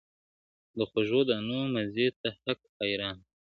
• د خوږو دانو مزې ته هک حیران سو -